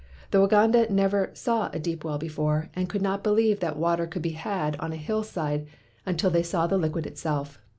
The Waganda never saw a deep well before, and would not be lieve that water could be had on a hillside until they saw the liquid itself.